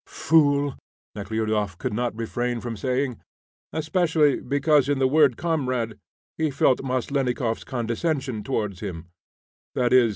"Fool!" Nekhludoff could not refrain from saying, especially because in the word "comrade" he felt Maslennikoff's condescension towards him, i.e.